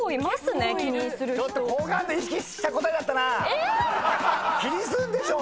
え⁉気にすんでしょ！